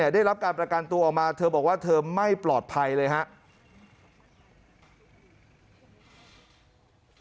ได้รับการประกันตัวออกมาเธอบอกว่าเธอไม่ปลอดภัยเลยครับ